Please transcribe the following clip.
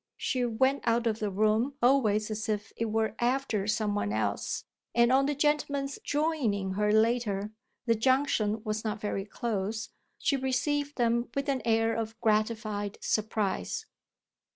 She went out of the room always as if it were after some one else; and on the gentlemen's "joining" her later the junction was not very close she received them with an air of gratified surprise.